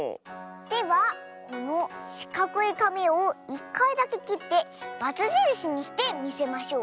ではこのしかくいかみを１かいだけきってバツじるしにしてみせましょう。